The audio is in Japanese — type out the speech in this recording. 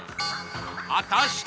果たして。